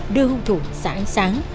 đưa hung thủ xã ánh sáng